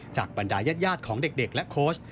จากปัญญายาดของเด็กและโค้ช